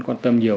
quan tâm nhiều